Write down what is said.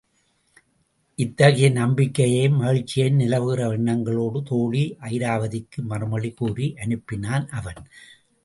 இத்தகைய நம்பிக்கையும் மகிழ்ச்சியும் நிலவுகிற எண்ணங்களோடு தோழி அயிராபதிக்கு மறுமொழி கூறி அனுப்பினான் அவன்.